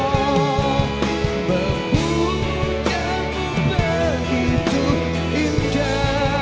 pujamu begitu indah